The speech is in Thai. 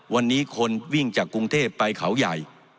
วันนี้คนวิ่งจากกรุงเทพไปเขาใหญ่